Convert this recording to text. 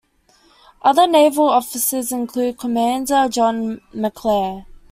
Other naval officers included Commander John Maclear.